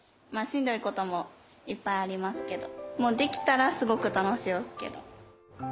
しんどいこともいっぱいありますけどできたらすごくたのしおすけど。